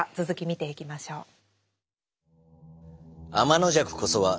続き見ていきましょう。